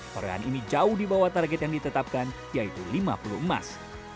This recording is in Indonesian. peraian ini jauh dibawah target yang ditetapkan yaitu lima puluh emas